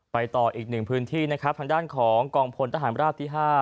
ไปต่ออีก๑พื้นที่ทางด้านคองกองพลตะหารราชที่๕